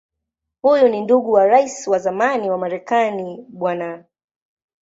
Huyu ni ndugu wa Rais wa zamani wa Marekani Bw.